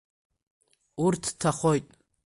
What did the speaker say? Урҭ ҭахоит.